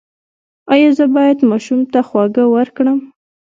ایا زه باید ماشوم ته خواږه ورکړم؟